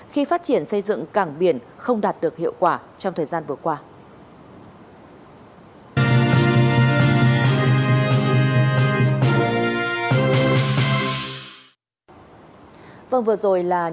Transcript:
khi phát triển xây dựng cảng biển không đạt được hiệu quả trong thời gian vừa qua